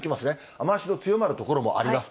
雨足の強まる所もあります。